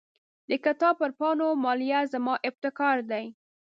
د کتاب پر پاڼو مالیه زما ابتکار دی.